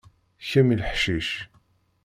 Kemm i leḥcic.